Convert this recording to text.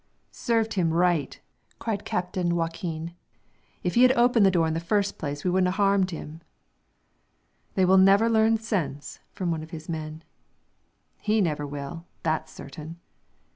"Served him right!" cried Captain Joaquin. "If he had opened the door in the first place we wouldn't 'a' harmed him." "They will never learn sense," from one of his men. "He never will; that's certain."